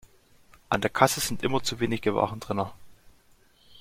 An der Kasse sind immer zu wenige Warentrenner.